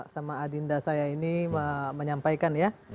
sama adinda saya ini menyampaikan ya